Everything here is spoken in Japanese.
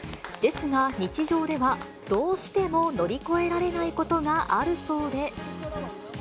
ですが、日常ではどうしても乗り越えられないことがあるそうで。